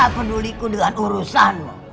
apa penduliku dengan urusanmu